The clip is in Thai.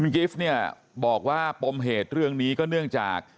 กิฟต์เนี่ยบอกว่าปมเหตุเรื่องนี้ก็เนื่องจาก